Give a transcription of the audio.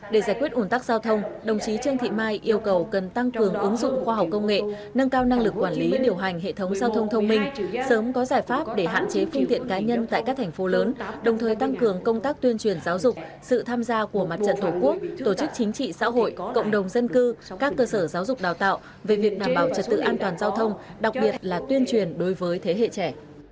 để giải quyết ổn tắc giao thông đồng chí trương thị mai yêu cầu cần tăng cường ứng dụng khoa học công nghệ nâng cao năng lực quản lý điều hành hệ thống giao thông thông minh sớm có giải pháp để hạn chế phương tiện cá nhân tại các thành phố lớn đồng thời tăng cường công tác tuyên truyền giáo dục sự tham gia của mặt trận thổ quốc tổ chức chính trị xã hội cộng đồng dân cư các cơ sở giáo dục đào tạo về việc đảm bảo trật tự an toàn giao thông đặc biệt là tuyên truyền đối với thế hệ trẻ